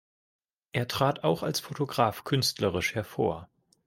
Er trat auch als Fotograf künstlerisch hervor.